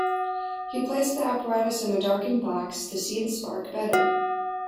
He placed the apparatus in a darkened box to see the spark better.